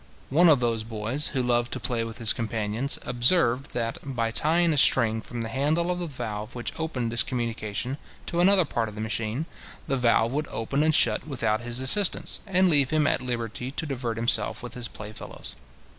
One of those boys, who loved to play with his companions, observed that, by tying a string from the handle of the valve which opened this communication to another part of the machine, the valve would open and shut without his assistance, and leave him at liberty to divert himself with his play fellows.